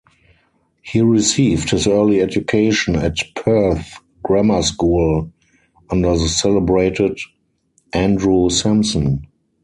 He received his early education at Perth Grammar School under the celebrated Andrew Simson.